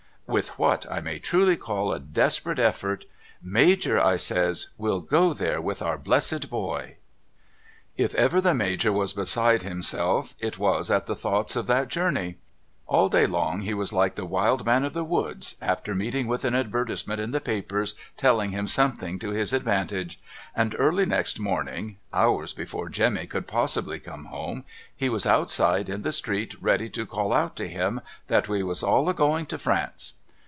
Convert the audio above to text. With what I may truly call a desperate effort ' Major,' I says ' we'll go there with our blessed boy.' If ever the Major was beside himself it was at the thoughts of that journey. All day long he was like the wild man of the woods after meeting with an advertisement in the papers telling him some thing to his advantage, and early next morning hours before Jemmy could possibly come home he was outside in the street ready to call out to him that we was all a going to France.